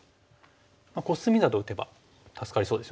コスミなど打てば助かりそうですよね。